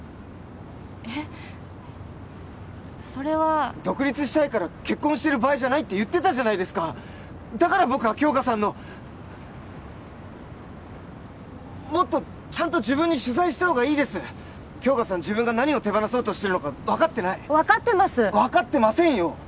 えっそれは独立したいから結婚してる場合じゃないって言ってたじゃないですかだから僕は杏花さんのもっとちゃんと自分に取材したほうがいいです杏花さん自分が何を手放そうとしてるのか分かってない分かってます分かってませんよ